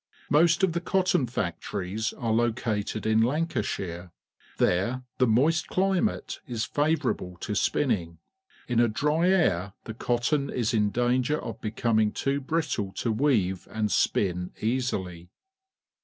Most of the co^^"" f ir tni ip.; are located in Jjuwofthirf There the moist climate is favourable to spinning. In a dry air the cotton is in danger of becoming too brittle to weave and spin easily.